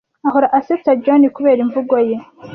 ahora asetsa John kubera imvugo ye.